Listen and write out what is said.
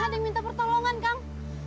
ada yang minta pertolongan kang